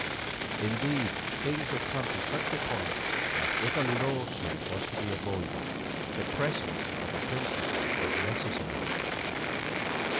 Indeed, things had come to such a point that if a lawsuit was to be avoided the presence of a principal was necessary.